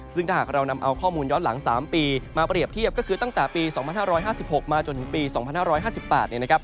ซึ่งถ้าหากเรานำเอาข้อมูลย้อนหลัง๓ปีมาเปรียบเทียบก็คือตั้งแต่ปี๒๕๕๖มาจนถึงปี๒๕๕๘เนี่ยนะครับ